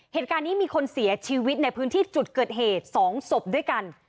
เหตุการณ์นี้มีคนเสียชีวิตในพื้นที่จุดเกิดเหตุ๒ศพด้วยกัน